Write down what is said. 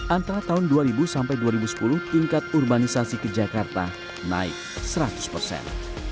antara tahun dua ribu sampai dua ribu sepuluh tingkat urbanisasi ke jakarta naik seratus persen